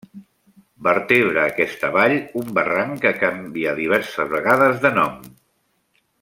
Vertebra aquesta vall un barranc que canvia diverses vegades de nom.